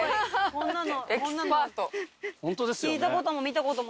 こんなの。